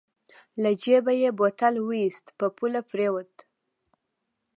له جېبه يې بوتل واېست په پوله پرېوت.